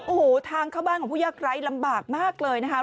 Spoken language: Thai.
โอ้โหทางเข้าบ้านของผู้ยากไร้ลำบากมากเลยนะคะ